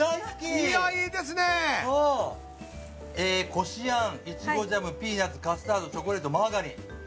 こしあん、イチゴジャムピーナツ、カスタードチョコレート